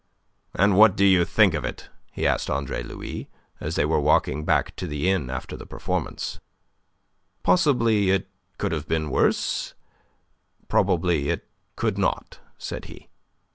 "And what do you think of it?" he asked Andre Louis, as they were walking back to the inn after the performance. "Possibly it could have been worse; probably it could not," said he.